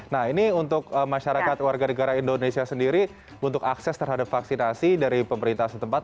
nah ini untuk masyarakat warga negara indonesia sendiri untuk akses terhadap vaksinasi dari pemerintah setempat